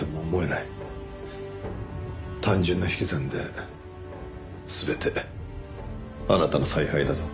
単純な引き算で全てあなたの采配だと。